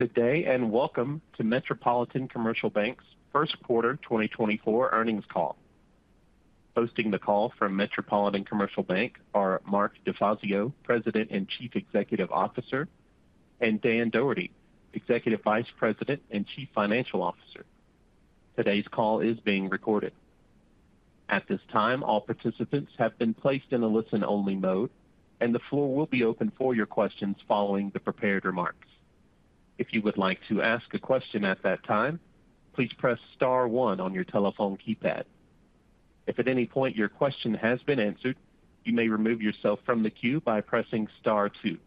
Good day and welcome to Metropolitan Commercial Bank's first quarter 2024 earnings call. Hosting the call from Metropolitan Commercial Bank are Mark DeFazio, President and Chief Executive Officer, and Dan Dougherty, Executive Vice President and Chief Financial Officer. Today's call is being recorded. At this time, all participants have been placed in a listen-only mode, and the floor will be open for your questions following the prepared remarks. If you would like to ask a question at that time, please press star one on your telephone keypad. If at any point your question has been answered, you may remove yourself from the queue by pressing star two.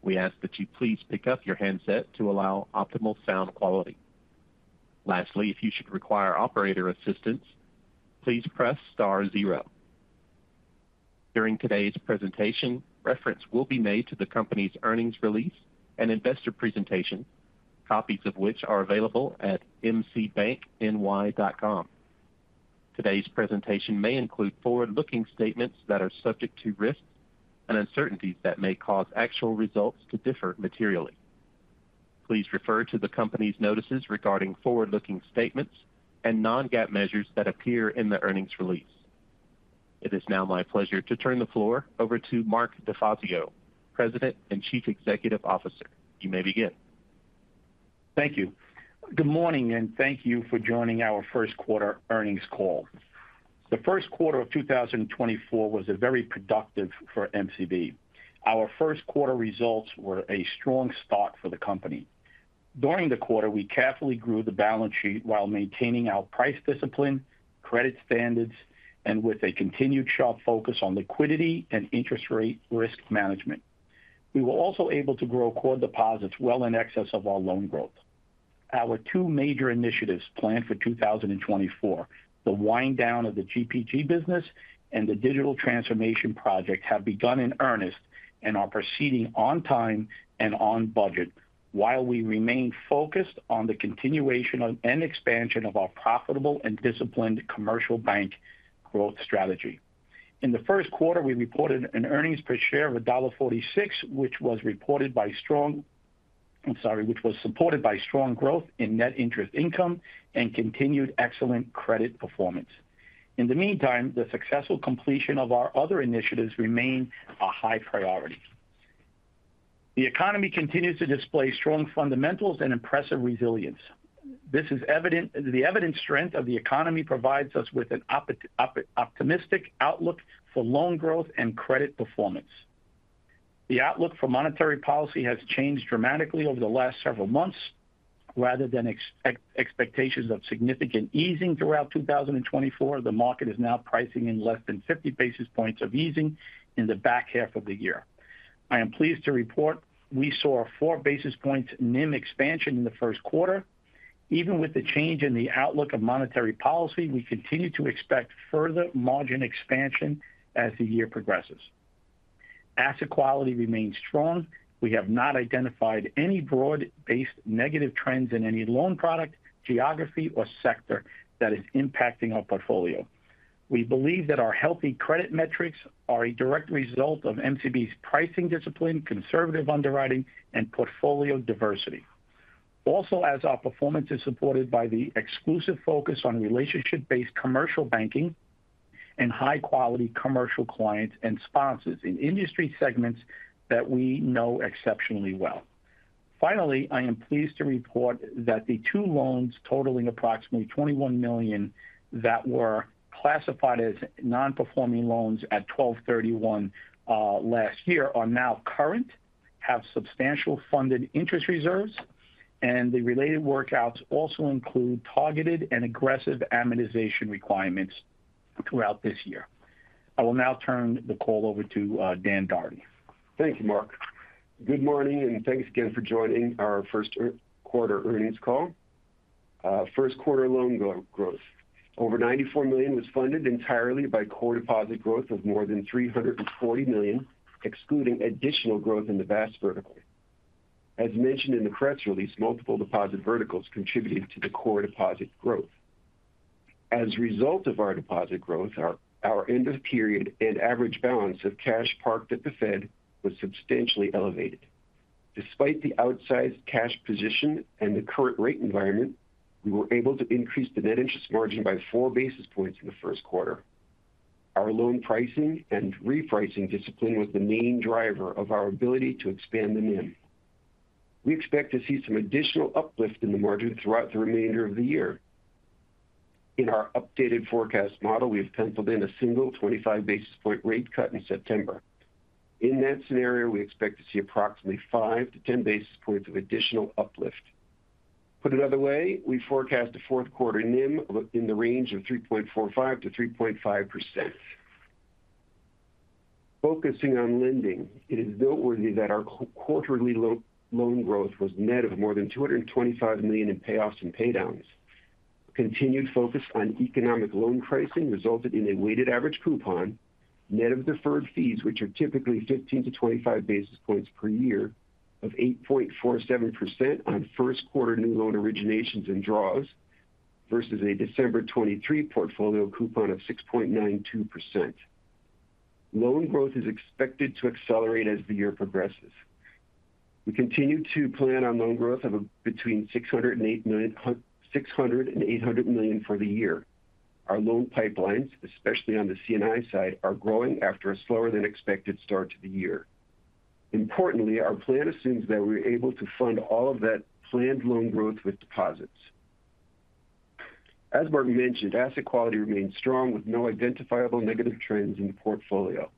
We ask that you please pick up your handset to allow optimal sound quality. Lastly, if you should require operator assistance, please press star zero. During today's presentation, reference will be made to the company's earnings release and investor presentation, copies of which are available at mcbankny.com. Today's presentation may include forward-looking statements that are subject to risks and uncertainties that may cause actual results to differ materially. Please refer to the company's notices regarding forward-looking statements and non-GAAP measures that appear in the earnings release. It is now my pleasure to turn the floor over to Mark DeFazio, President and Chief Executive Officer. You may begin. Thank you. Good morning, and thank you for joining our first quarter earnings call. The first quarter of 2024 was very productive for MCB. Our first quarter results were a strong start for the company. During the quarter, we carefully grew the balance sheet while maintaining our price discipline, credit standards, and with a continued sharp focus on liquidity and interest rate risk management. We were also able to grow core deposits well in excess of our loan growth. Our two major initiatives planned for 2024, the wind-down of the GPG business and the digital transformation project, have begun in earnest and are proceeding on time and on budget while we remain focused on the continuation and expansion of our profitable and disciplined commercial bank growth strategy. In the first quarter, we reported an earnings per share of $1.46, which was supported by strong growth in net interest income and continued excellent credit performance. In the meantime, the successful completion of our other initiatives remains a high priority. The economy continues to display strong fundamentals and impressive resilience. This is evident. The evident strength of the economy provides us with an optimistic outlook for loan growth and credit performance. The outlook for monetary policy has changed dramatically over the last several months. Rather than expectations of significant easing throughout 2024, the market is now pricing in less than 50 basis points of easing in the back half of the year. I am pleased to report, we saw a 4 basis points NIM expansion in the first quarter. Even with the change in the outlook of monetary policy, we continue to expect further margin expansion as the year progresses. Asset quality remains strong. We have not identified any broad-based negative trends in any loan product, geography, or sector that is impacting our portfolio. We believe that our healthy credit metrics are a direct result of MCB's pricing discipline, conservative underwriting, and portfolio diversity. Also, as our performance is supported by the exclusive focus on relationship-based commercial banking and high-quality commercial clients and sponsors in industry segments that we know exceptionally well. Finally, I am pleased to report that the two loans totaling approximately $21 million that were classified as non-performing loans at 12/31 last year are now current, have substantial funded interest reserves, and the related workouts also include targeted and aggressive amortization requirements throughout this year. I will now turn the call over to Dan Dougherty. Thank you, Mark. Good morning, and thanks again for joining our first quarter earnings call. First quarter loan growth, over $94 million was funded entirely by core deposit growth of more than $340 million, excluding additional growth in the BaaS vertical. As mentioned in the press release, multiple deposit verticals contributed to the core deposit growth. As a result of our deposit growth, our end-of-period and average balance of cash parked at the Fed was substantially elevated. Despite the outsized cash position and the current rate environment, we were able to increase the net interest margin by 4 basis points in the first quarter. Our loan pricing and repricing discipline was the main driver of our ability to expand the NIM. We expect to see some additional uplift in the margin throughout the remainder of the year. In our updated forecast model, we have penciled in a single 25 basis point rate cut in September. In that scenario, we expect to see approximately 5-10 basis points of additional uplift. Put another way, we forecast a fourth quarter NIM in the range of 3.45%-3.5%. Focusing on lending, it is noteworthy that our quarterly loan growth was net of more than $225 million in payoffs and paydowns. Continued focus on economic loan pricing resulted in a weighted average coupon net of deferred fees, which are typically 15-25 basis points per year, of 8.47% on first quarter new loan originations and draws versus a December 2023 portfolio coupon of 6.92%. Loan growth is expected to accelerate as the year progresses. We continue to plan on loan growth of between $600 million and $800 million for the year. Our loan pipelines, especially on the C&I side, are growing after a slower-than-expected start to the year. Importantly, our plan assumes that we're able to fund all of that planned loan growth with deposits. As Mark mentioned, asset quality remains strong with no identifiable negative trends in the portfolio.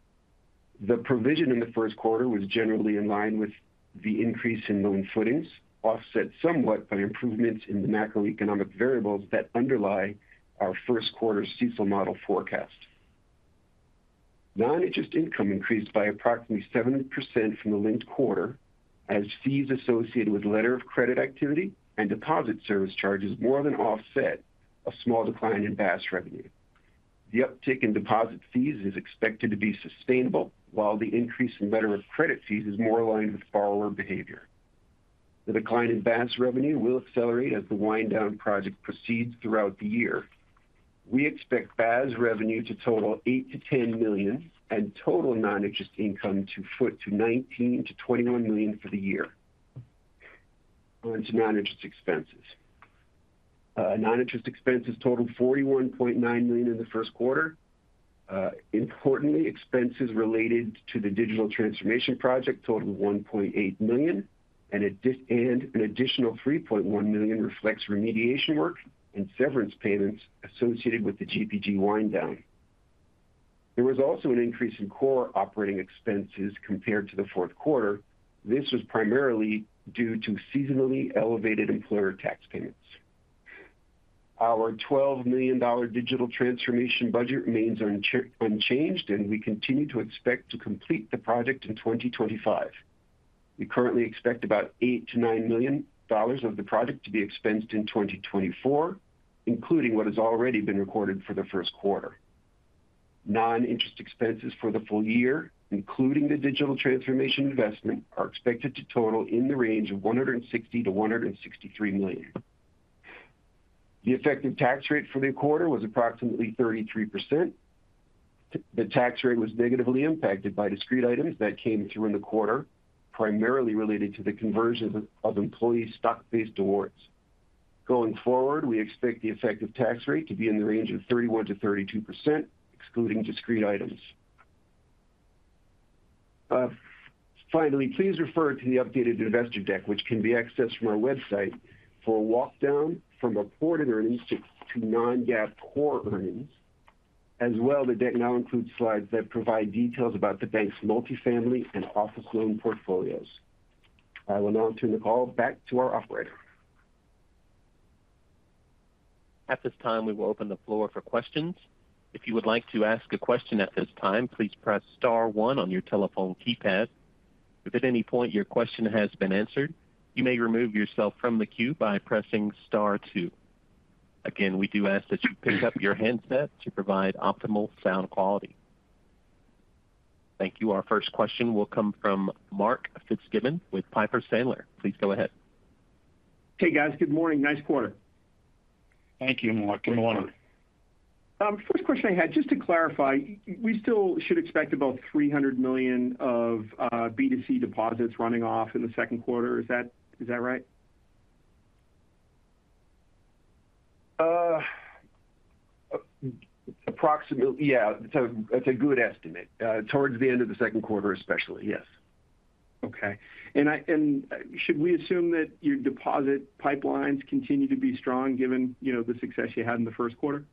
The provision in the first quarter was generally in line with the increase in loan footings, offset somewhat by improvements in the macroeconomic variables that underlie our first quarter CECL model forecast. Non-interest income increased by approximately 7% from the linked quarter as fees associated with letter of credit activity and deposit service charges more than offset a small decline in BaaS revenue. The uptick in deposit fees is expected to be sustainable while the increase in letter of credit fees is more aligned with borrower behavior. The decline in BaaS revenue will accelerate as the wind-down project proceeds throughout the year. We expect BaaS revenue to total $8 million-$10 million and total non-interest income to $19 million-$21 million for the year. Onto non-interest expenses. Non-interest expenses totaled $41.9 million in the first quarter. Importantly, expenses related to the digital transformation project totaled $1.8 million and an additional $3.1 million reflects remediation work and severance payments associated with the GPG wind-down. There was also an increase in core operating expenses compared to the fourth quarter. This was primarily due to seasonally elevated employer tax payments. Our $12 million digital transformation budget remains unchanged and we continue to expect to complete the project in 2025. We currently expect about $8 million-$9 million of the project to be expensed in 2024, including what has already been recorded for the first quarter. Non-interest expenses for the full year, including the digital transformation investment, are expected to total in the range of $160 million-$163 million. The effective tax rate for the quarter was approximately 33%. The tax rate was negatively impacted by discrete items that came through in the quarter, primarily related to the conversion of employee stock-based awards. Going forward, we expect the effective tax rate to be in the range of 31%-32%, excluding discrete items. Finally, please refer to the updated Investor deck, which can be accessed from our website, for a walkdown from reported earnings to non-GAAP core earnings, as well the deck now includes slides that provide details about the bank's multifamily and office loan portfolios. I will now turn the call back to our operator. At this time, we will open the floor for questions. If you would like to ask a question at this time, please press star one on your telephone keypad. If at any point your question has been answered, you may remove yourself from the queue by pressing star two. Again, we do ask that you pick up your handset to provide optimal sound quality. Thank you. Our first question will come from Mark Fitzgibbon with Piper Sandler. Please go ahead. Hey, guys. Good morning. Nice quarter. Thank you, Mark. Good morning. First question I had, just to clarify, we still should expect about $300 million of B2C deposits running off in the second quarter. Is that right? Approximately. Yeah. That's a good estimate. Towards the end of the second quarter, especially, yes. Okay. Should we assume that your deposit pipelines continue to be strong given the success you had in the first quarter?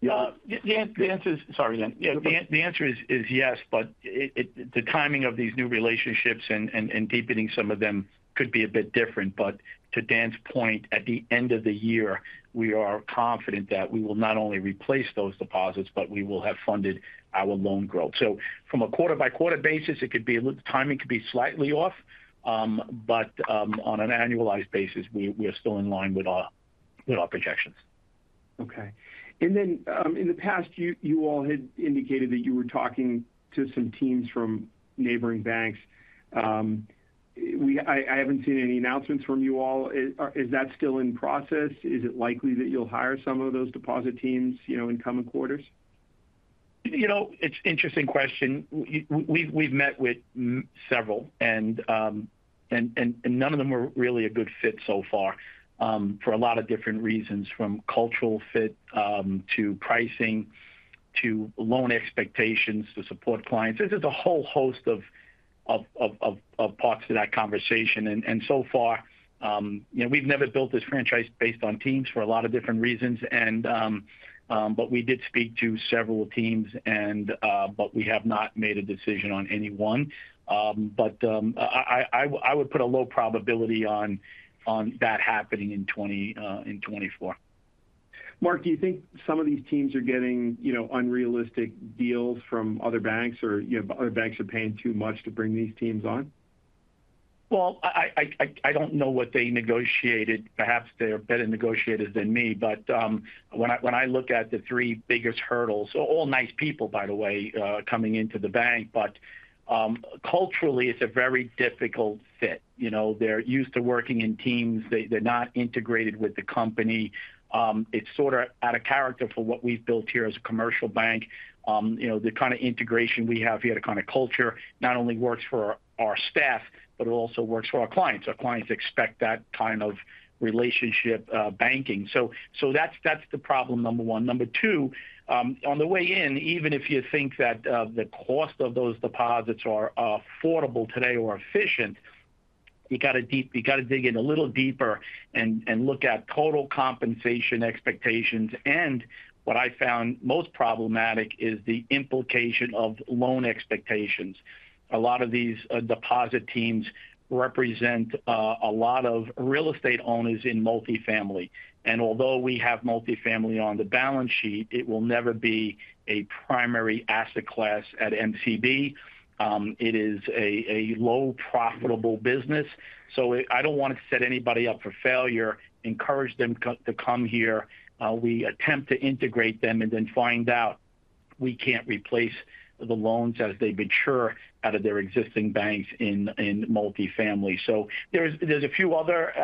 Yeah. The answer is— sorry, Dan. Yeah. The answer is yes, but the timing of these new relationships and deepening some of them could be a bit different. But to Dan's point, at the end of the year, we are confident that we will not only replace those deposits but we will have funded our loan growth. So from a quarter-by-quarter basis, it could be the timing could be slightly off, but on an annualized basis, we are still in line with our projections. Okay. And then in the past, you all had indicated that you were talking to some teams from neighboring banks. I haven't seen any announcements from you all. Is that still in process? Is it likely that you'll hire some of those deposit teams in coming quarters? It's an interesting question. We've met with several, and none of them were really a good fit so far for a lot of different reasons, from cultural fit to pricing to loan expectations to support clients. There's just a whole host of parts to that conversation. And so far, we've never built this franchise based on teams for a lot of different reasons, but we did speak to several teams, but we have not made a decision on anyone. But I would put a low probability on that happening in 2024. Mark, do you think some of these teams are getting unrealistic deals from other banks or other banks are paying too much to bring these teams on? Well, I don't know what they negotiated. Perhaps they are better negotiators than me. But when I look at the three biggest hurdles, all nice people, by the way, coming into the bank, but culturally, it's a very difficult fit. They're used to working in teams. They're not integrated with the company. It's sort of out of character for what we've built here as a commercial bank. The kind of integration we have here, the kind of culture, not only works for our staff but it also works for our clients. Our clients expect that kind of relationship banking. So that's the problem, number one. Number two, on the way in, even if you think that the cost of those deposits are affordable today or efficient, you've got to dig in a little deeper and look at total compensation expectations. What I found most problematic is the implication of loan expectations. A lot of these deposit teams represent a lot of real estate owners in multifamily. And although we have multifamily on the balance sheet, it will never be a primary asset class at MCB. It is a low-profitable business. So I don't want to set anybody up for failure. Encourage them to come here. We attempt to integrate them and then find out we can't replace the loans as they mature out of their existing banks in multifamily. So there's a few other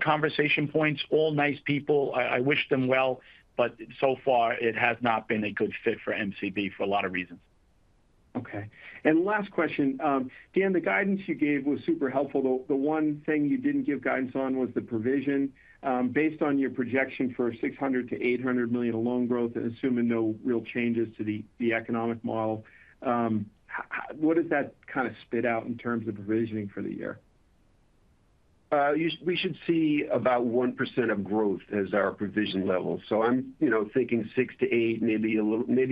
conversation points. All nice people. I wish them well, but so far, it has not been a good fit for MCB for a lot of reasons. Okay. And last question. Dan, the guidance you gave was super helpful. The one thing you didn't give guidance on was the provision. Based on your projection for $600 million-$800 million of loan growth and assuming no real changes to the economic model, what does that kind of spit out in terms of provisioning for the year? We should see about 1% of growth as our provision level. So I'm thinking 6-8, maybe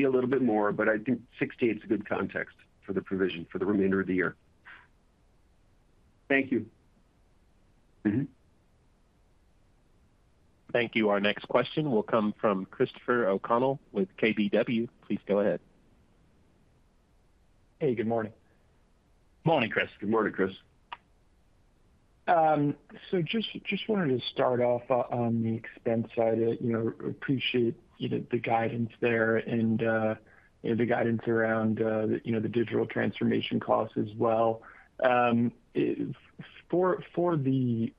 a little bit more, but I think 6-8 is a good context for the provision for the remainder of the year. Thank you. Thank you. Our next question will come from Christopher O'Connell with KBW. Please go ahead. Hey. Good morning. Morning, Chris. Good morning, Chris. Just wanted to start off on the expense side. I appreciate the guidance there and the guidance around the digital transformation costs as well. For the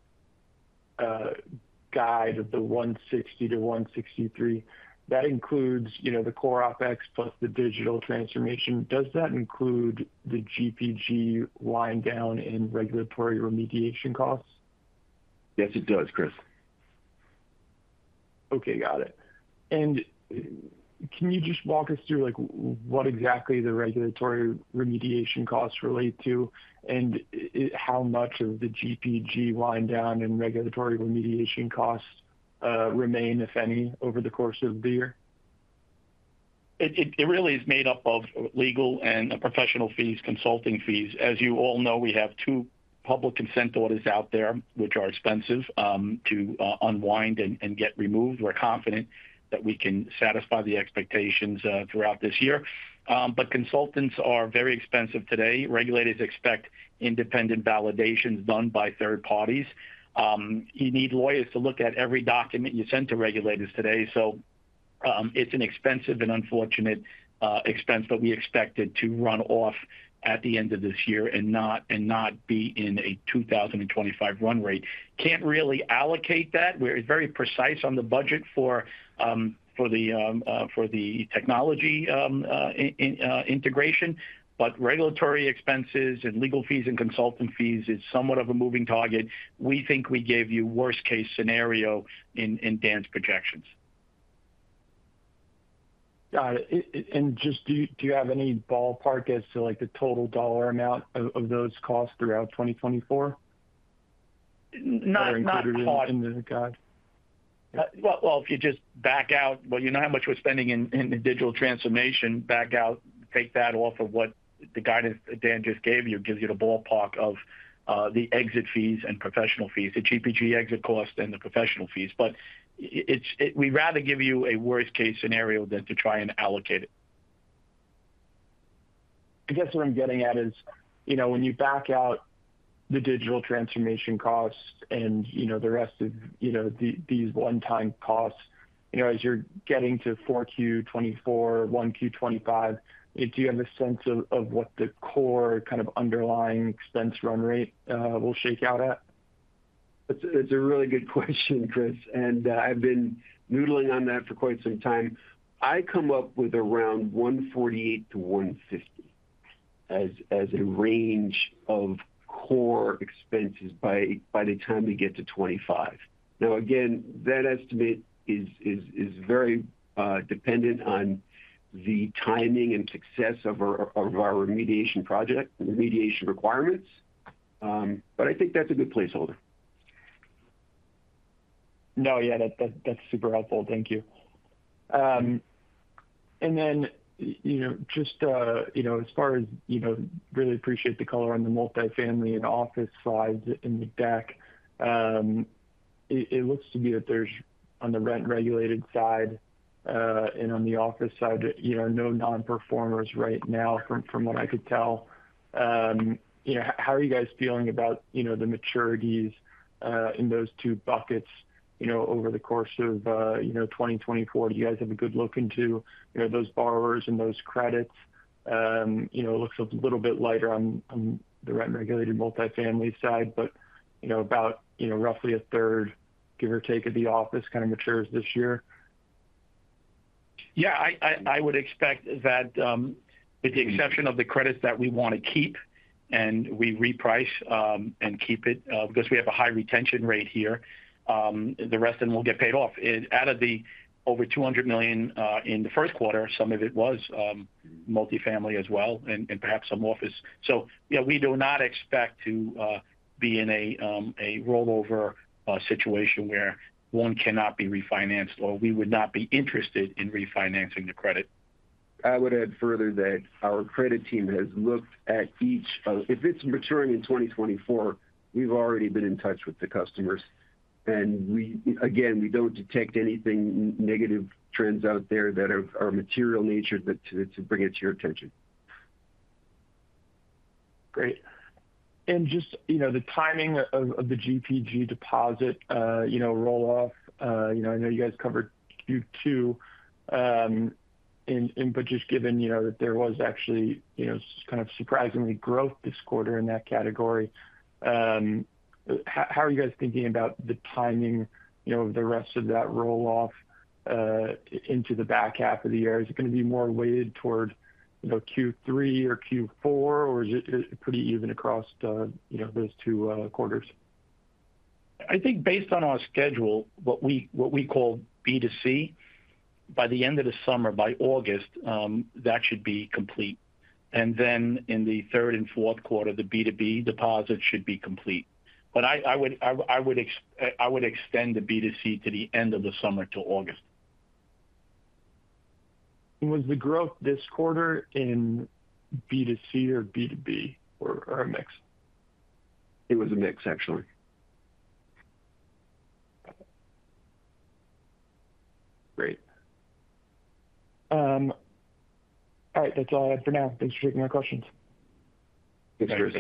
guide of the 160-163, that includes the core OPEX plus the digital transformation. Does that include the GPG wind-down and regulatory remediation costs? Yes, it does, Chris. Okay. Got it. And can you just walk us through what exactly the regulatory remediation costs relate to and how much of the GPG wind-down and regulatory remediation costs remain, if any, over the course of the year? It really is made up of legal and professional fees, consulting fees. As you all know, we have two public consent audits out there, which are expensive to unwind and get removed. We're confident that we can satisfy the expectations throughout this year. But consultants are very expensive today. Regulators expect independent validations done by third parties. You need lawyers to look at every document you send to regulators today. So it's an expensive and unfortunate expense, but we expect it to run off at the end of this year and not be in a 2025 run rate. Can't really allocate that. We're very precise on the budget for the technology integration, but regulatory expenses and legal fees and consultant fees is somewhat of a moving target. We think we gave you worst-case scenario in Dan's projections. Got it. Do you have any ballpark as to the total dollar amount of those costs throughout 2024 that are included in the guide? Not caught. Well, if you just back out well, you know how much we're spending in the digital transformation. Back out, take that off of what the guidance Dan just gave you. It gives you the ballpark of the exit fees and professional fees, the GPG exit cost and the professional fees. But we'd rather give you a worst-case scenario than to try and allocate it. I guess what I'm getting at is when you back out the digital transformation costs and the rest of these one-time costs, as you're getting to 4Q 2024, 1Q 2025, do you have a sense of what the core kind of underlying expense run rate will shake out at? That's a really good question, Chris. And I've been noodling on that for quite some time. I come up with around 148-150 as a range of core expenses by the time we get to 2025. Now, again, that estimate is very dependent on the timing and success of our remediation project, remediation requirements. But I think that's a good placeholder. No. Yeah. That's super helpful. Thank you. And then just as far as really appreciate the color on the multifamily and office slides in the deck. It looks to me that there's, on the rent-regulated side and on the office side, no non-performers right now from what I could tell. How are you guys feeling about the maturities in those two buckets over the course of 2024? Do you guys have a good look into those borrowers and those credits? It looks a little bit lighter on the rent-regulated multifamily side, but about roughly 1/3, give or take, of the office kind of matures this year. Yeah. I would expect that, with the exception of the credits that we want to keep and we reprice and keep it because we have a high retention rate here, the rest of them will get paid off. Out of the over $200 million in the first quarter, some of it was multifamily as well and perhaps some office. So we do not expect to be in a rollover situation where one cannot be refinanced or we would not be interested in refinancing the credit. I would add further that our credit team has looked at each, if it's maturing in 2024, we've already been in touch with the customers. And again, we don't detect any negative trends out there that are of a material nature to bring it to your attention. Great. And just the timing of the GPG deposit rolloff, I know you guys covered Q2, but just given that there was actually kind of surprisingly growth this quarter in that category, how are you guys thinking about the timing of the rest of that rolloff into the back half of the year? Is it going to be more weighted toward Q3 or Q4, or is it pretty even across those two quarters? I think based on our schedule, what we call B2C, by the end of the summer, by August, that should be complete. And then in the third and fourth quarter, the B2B deposit should be complete. But I would extend the B2C to the end of the summer to August. Was the growth this quarter in B2C or B2B or a mix? It was a mix, actually. Great. All right. That's all I had for now. Thanks for taking my questions. Thanks, Chris.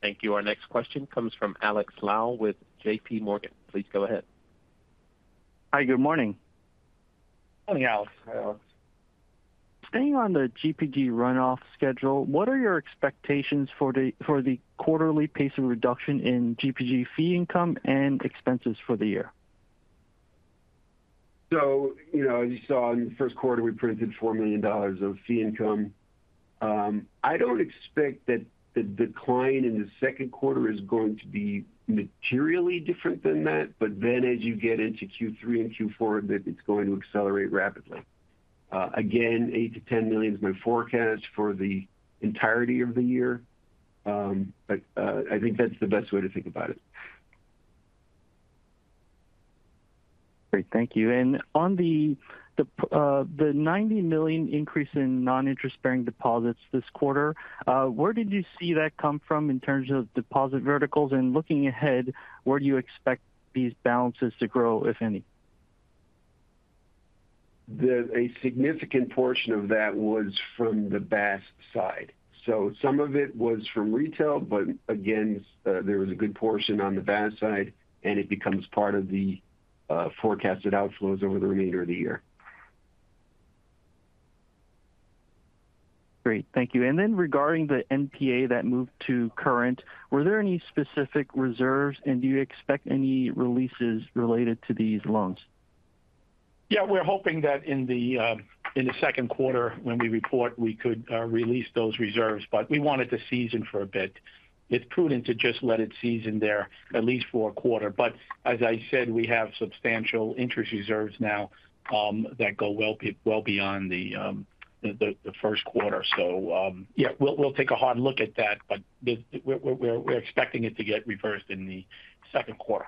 Thank you. Our next question comes from Alex Lau with JPMorgan. Please go ahead. Hi. Good morning. Morning, Alex. Hi, Alex. Staying on the GPG runoff schedule, what are your expectations for the quarterly pace of reduction in GPG fee income and expenses for the year? As you saw, in the first quarter, we printed $4 million of fee income. I don't expect that the decline in the second quarter is going to be materially different than that, but then as you get into Q3 and Q4, that it's going to accelerate rapidly. Again, $8 million-$10 million is my forecast for the entirety of the year, but I think that's the best way to think about it. Great. Thank you. On the $90 million increase in non-interest-bearing deposits this quarter, where did you see that come from in terms of deposit verticals? Looking ahead, where do you expect these balances to grow, if any? A significant portion of that was from the BaaS side. So some of it was from retail, but again, there was a good portion on the BaaS side, and it becomes part of the forecasted outflows over the remainder of the year. Great. Thank you. And then regarding the NPA that moved to current, were there any specific reserves, and do you expect any releases related to these loans? Yeah. We're hoping that in the second quarter, when we report, we could release those reserves, but we want it to season for a bit. It's prudent to just let it season there at least for a quarter. But as I said, we have substantial interest reserves now that go well beyond the first quarter. So yeah, we'll take a hard look at that, but we're expecting it to get reversed in the second quarter.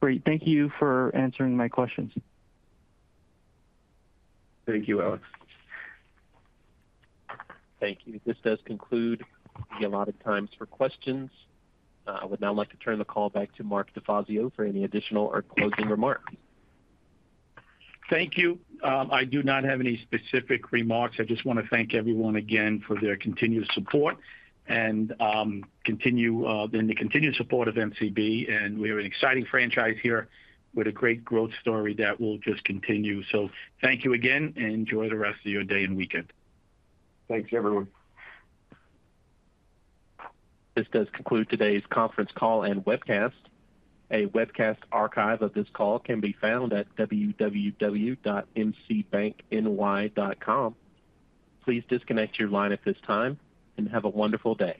Great. Thank you for answering my questions. Thank you, Alex. Thank you. This does conclude the alloted time for questions. I would now like to turn the call back to Mark DeFazio for any additional or closing remarks. Thank you. I do not have any specific remarks. I just want to thank everyone again for their continued support and the continued support of MCB. We have an exciting franchise here with a great growth story that will just continue. Thank you again, and enjoy the rest of your day and weekend. Thanks, everyone. This does conclude today's conference call and webcast. A webcast archive of this call can be found at www.mcbankny.com. Please disconnect your line at this time and have a wonderful day.